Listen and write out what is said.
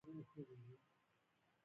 نه په غېږ کي د ځنګله سوای ګرځیدلای